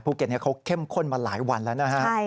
ภูเก็ตเขาเข้มข้นมาหลายวันแล้วนะครับ